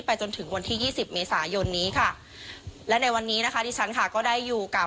ไปจนถึงวันที่๒๐เมษายนและในวันนี้ที่ฉันก็ได้อยู่กับ